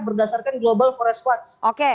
berdasarkan global forest watch